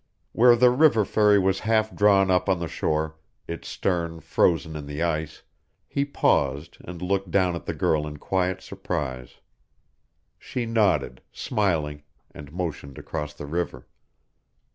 Where the river ferry was half drawn up on the shore, its stern frozen in the ice, he paused and looked down at the girl in quiet surprise. She nodded, smiling, and motioned across the river.